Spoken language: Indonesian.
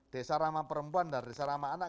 desa ramah perempuan dan desa ramah anak